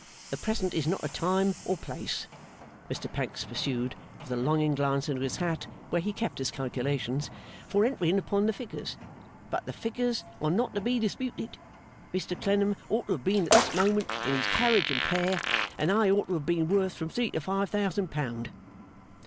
The present is not a time or place,' Mr Pancks pursued, with a longing glance into his hat, where he kept his calculations, 'for entering upon the figures; but the figures are not to be disputed. Mr Clennam ought to have been at this moment in his carriage and pair, and I ought to have been worth from three to five thousand pound.